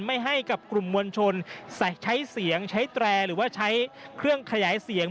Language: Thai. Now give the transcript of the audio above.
ให้กับกลุ่มมวลชนใช้เสียงใช้แตรหรือว่าใช้เครื่องขยายเสียง